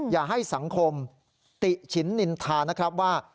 อย่าให้สังคมติฉินนินทานะครับว่า